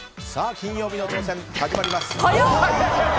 金曜日の挑戦、始まります。